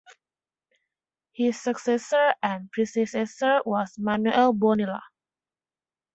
His successor and predecessor was Manuel Bonilla.